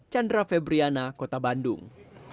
chandra febriana kota bandung